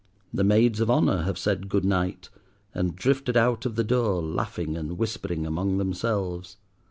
The Maids of Honour have said "Good night," and drifted out of the door, laughing and whispering among themselves.